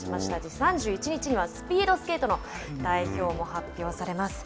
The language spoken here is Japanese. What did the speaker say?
３１日にはスピードスケートの代表も発表されます。